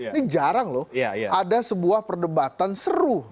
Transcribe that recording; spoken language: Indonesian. ini jarang loh ada sebuah perdebatan seru